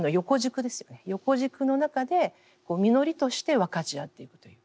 横軸の中で実りとして分かち合っていくという。